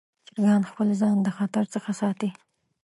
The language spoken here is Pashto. چرګان خپل ځان د خطر څخه ساتي.